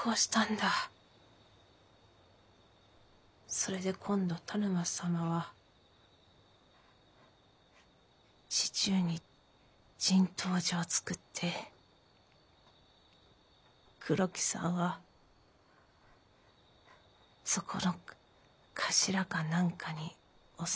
それで今度田沼様は市中に人痘所を作って黒木さんはそこの頭か何かに収まった。